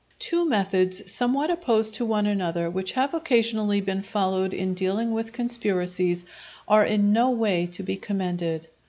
Two methods, somewhat opposed to one another, which have occasionally been followed in dealing with conspiracies, are in no way to be commended.